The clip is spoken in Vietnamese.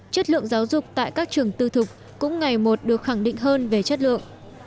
chất lượng giáo dục tại các trường tư thục cũng ngày một được khẳng định hơn về chất lượng